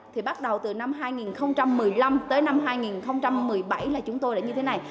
thì bắt đầu từ năm hai nghìn một mươi năm tới năm hai nghìn một mươi bảy là chúng tôi đã như thế này